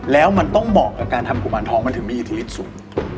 แล้วมันต้องเหมาะกับการทำกุมารทองมันถึงมีอิทธิฤทธิสูง